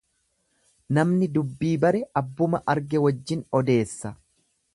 Namni dubbii bare abbuma arge wajjin odeessa.